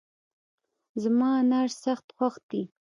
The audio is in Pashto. زما انار سخت خوښ دي